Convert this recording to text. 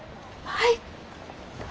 はい。